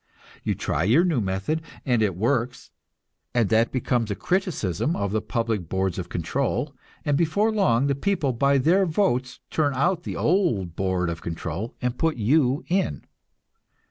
You try your new method, and it works, and that becomes a criticism of the public boards of control, and before long the people by their votes turn out the old board of control and put you in.